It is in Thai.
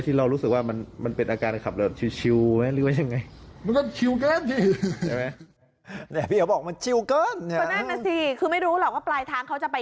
ที่เรารู้สึกว่ามันเป็นอาการขับแบบชิลไหมหรือว่ายังไง